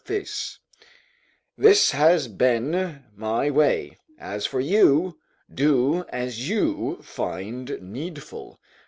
["This has been my way; as for you, do as you find needful.